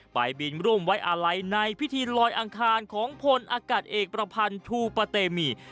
ไปบินร่วมไว้อาลัยในพิธีลอยอังคารของพลอากาศเอกประพันธ์ทูปะเตมี